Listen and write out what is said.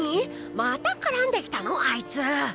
またからんできたのあいつ。